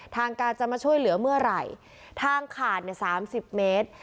ทางการจะมาช่วยเหลือเมื่อไหร่ทางขาดเนี่ย๓๐เมตร